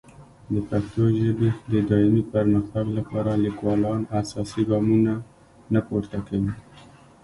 د پښتو ژبې د دایمي پرمختګ لپاره لیکوالان اساسي ګامونه نه پورته کوي.